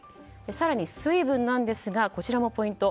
更に水分ですがこちらもポイント。